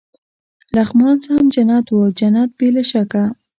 لغمان سم جنت و، جنت بې له شکه.